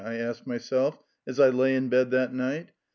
I asked myself as I lay in bed that night.